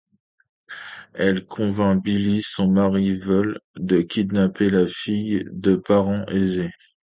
Elle convainc Billy, son mari veule, de kidnapper la fille de parents aisés.